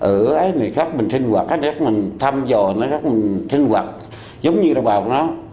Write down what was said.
ở ánh này khác mình sinh hoạt các đồng bào mình thăm dò các đồng bào mình sinh hoạt giống như đồng bào của nó